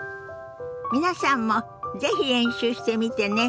皆さんも是非練習してみてね。